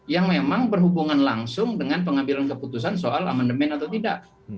yang memang berhubungan langsung dengan pengambilan keputusan soal amandemen atau tidak